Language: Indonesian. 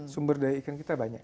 sumber daya ikan kita banyak